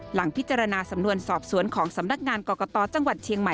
หลังพิจารณาสำนวนสอบสวนของสำนักงานกรกตจังหวัดเชียงใหม่